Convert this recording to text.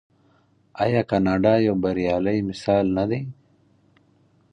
آیا کاناډا یو بریالی مثال نه دی؟